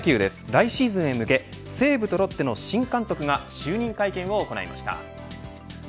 来シーズンへ向け西武とロッテの新監督が就任会見を行いました。